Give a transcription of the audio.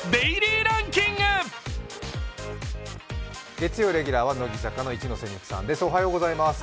月曜レギュラーは乃木坂の一ノ瀬美空さんです。